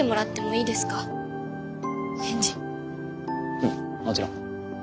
うんもちろん。